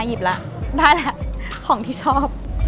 อะหยิบละได้ละของที่ชอบ